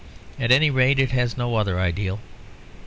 At any rate it has no other ideal.